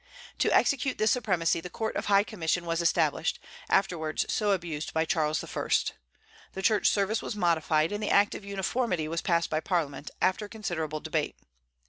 To execute this supremacy, the Court of High Commission was established, afterwards so abused by Charles I. The Church Service was modified, and the Act of Uniformity was passed by Parliament, after considerable debate.